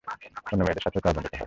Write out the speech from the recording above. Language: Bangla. অন্য মেয়েদের সাথেও তার বন্ধুত্ব হয়।